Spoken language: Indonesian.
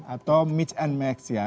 atau mix and match ya